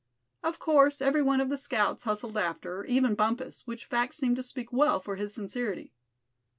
Of course every one of the scouts hustled after, even Bumpus, which fact seemed to speak well for his sincerity.